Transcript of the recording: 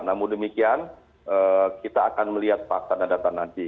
namun demikian kita akan melihat fakta dan data nanti